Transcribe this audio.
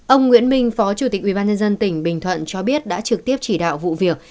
ông nguyễn minh phó chủ tịch ubnd tỉnh bình thuận cho biết đã trực tiếp chỉ đạo vụ việc